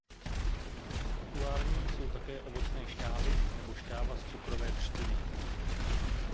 Populární jsou také ovocné šťávy nebo šťáva z cukrové třtiny.